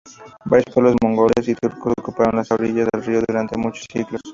Varios pueblos mongoles y turcos ocuparon las orillas del río durante muchos siglos.